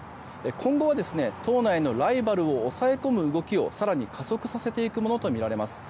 今後は、党内のライバルを抑え込む動きを更に加速させていくものとみられます。